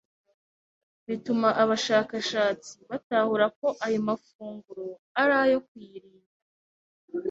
bituma abashakashatsi batahura ko ayo mafunguro ari ukuyirinda